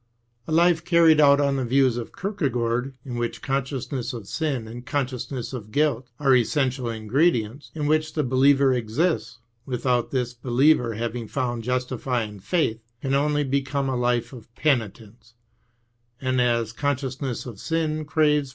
A life carried out on the views of Kierkegaard, in wdiich consciousness of sin and consciousness of guilt are essential ingredients, in which the believer exists, without this believer having found justifying faith, can only become a life of penitence ; and as consciousness of sin craves IMITATION OF CHRIST, AND JUSTIFYING FAITH.